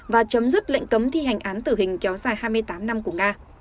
và chấm dứt lệnh cấm thi hành án tử hình kéo dài hai mươi tám năm của nga